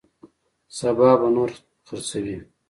سبا به نور خرڅوي.